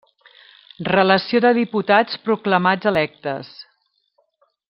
Relació de diputats proclamats electes.